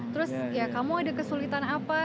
terus ya kamu ada kesulitan apa